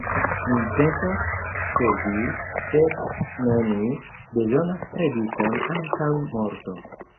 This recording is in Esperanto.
Mi pensas, ke vi, sed ne mi, bezonas predikon antaŭ morto.